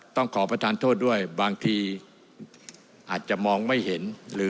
ต้องขอประทานโทษด้วยบางทีอาจจะมองไม่เห็นหรือ